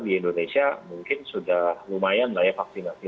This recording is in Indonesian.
di indonesia mungkin sudah lumayan layak vaksinasi